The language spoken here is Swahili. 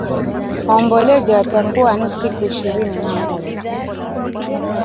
Maombolezo yatakuwa ni siku ishirini na moja